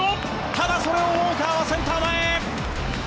ただ、それをウォーカーセンター前！